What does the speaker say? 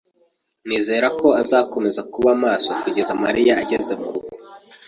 Nizere ko azakomeza kuba maso kugeza Mariya ageze murugo.